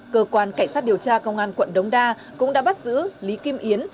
cơ quan cảnh sát điều tra công an quận đống đa cũng đã bắt giữ lý kim yến